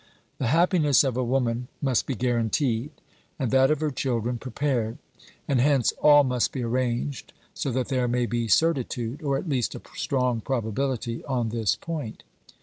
The happiness of a woman must be guaranteed, and that of her children prepared ; and hence all must be arranged so that there may be certitude, or at least a strong probability, on this point.